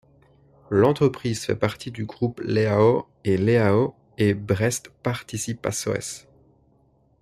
L'entreprise fait partie du groupe Leão & Leão et Braest Participações.